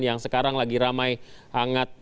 yang sekarang lagi ramai hangat